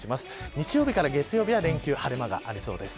日曜日から月曜日、連休晴れ間がありそうです。